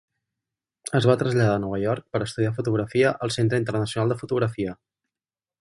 Es va traslladar a Nova York per estudiar fotografia al Centre Internacional de Fotografia.